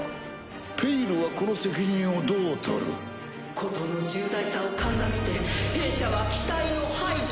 「ペイル」はこの責任をどう取る？事の重大さを鑑みて弊社は機体の廃棄と。